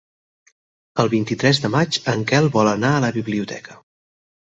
El vint-i-tres de maig en Quel vol anar a la biblioteca.